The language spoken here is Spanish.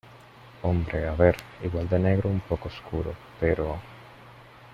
hombre, a ver , igual de negro un poco oscuro , pero...